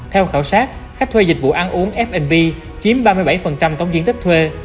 theo khảo sát khách thuê dịch vụ ăn uống f b chiếm ba mươi bảy tổng diện tích thuê